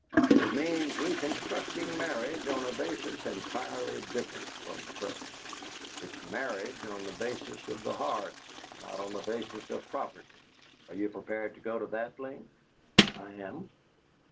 It means reconstructing marriage on a basis entirely different from the present. It's marriage on the basis of the heart, and not on the basis of property. Are you prepared to go to that length?" "I am."